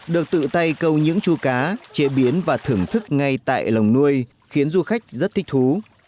được tự tay câu những chú cá chế biến và thưởng thức ngay tại lồng nuôi khiến du khách rất thích thú